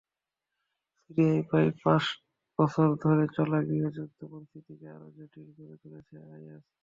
সিরিয়ায় প্রায় পাঁচ বছর ধরে চলা গৃহযুদ্ধ পরিস্থিতিকে আরও জটিল করে তুলেছে আইএস।